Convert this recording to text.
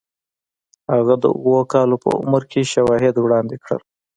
هغه د اوو کالو په عمر کې شواهد وړاندې کړل